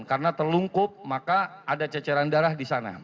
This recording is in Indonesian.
karena terlungkup maka ada ceceran darah di sana